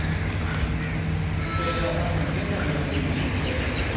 では、各地の現在の様子を見ていきたいと思います。